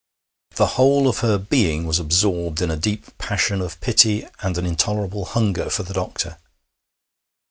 The whole of her being was absorbed in a deep passion of pity and an intolerable hunger for the doctor.